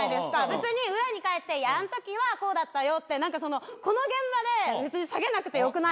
別に裏に帰ってあんときはこうだったよってこの現場で別に下げなくてよくないですか？